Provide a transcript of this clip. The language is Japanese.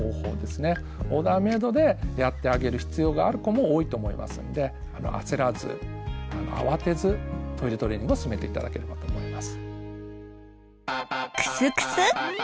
オーダーメイドでやってあげる必要がある子も多いと思いますんで焦らず慌てずトイレトレーニングを進めて頂ければと思います。